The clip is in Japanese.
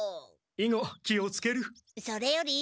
いご気をつける。それより。